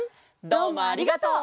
どうもありがとう。